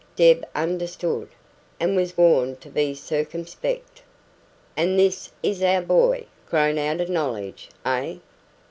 Deb understood, and was warned to be circumspect. "And this is our boy grown out of knowledge, eh?"